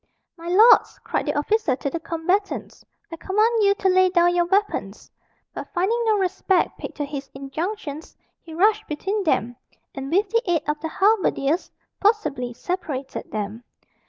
"My lords!" cried the officer to the combatants, "I command you to lay down your weapons." But finding no respect paid to his injunctions, he rushed between them, and with the aid of the halberdiers, forcibly separated them.